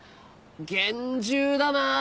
厳重だなあ！